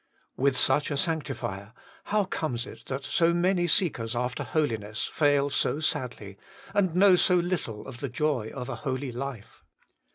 5. With such a Sanctifier, how comes it that so many seekers after holiness fail so sadly, and know so little of the joy of a holy life